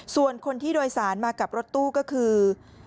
ส่วนคนที่โดยสารมากับรถตู้ก็คือ